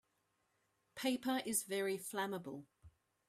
Paper is very flammable.